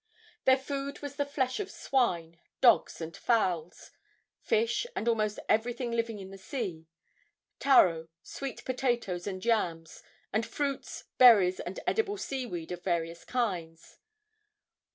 Their food was the flesh of swine, dogs and fowls; fish, and almost everything living in the sea; taro, sweet potatoes and yams, and fruits, berries and edible sea weed of various kinds.